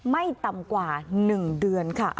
ไม่ต่ำกว่า๑เดือนค่ะ